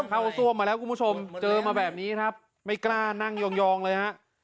ซ่วมมาแล้วคุณผู้ชมเจอมาแบบนี้ครับไม่กล้านั่งยองเลยฮะ